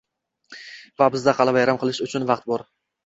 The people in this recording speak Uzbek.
Va bizda hali bayram qilish uchun vaqt bor!